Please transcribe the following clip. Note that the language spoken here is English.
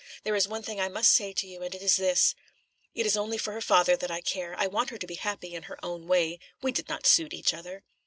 "There is one thing I must say to you, and it is this: it is only for her father that I care. I want her to be happy in her own way. We did not suit each other."